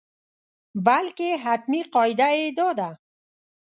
بلکې حتمي قاعده یې دا ده.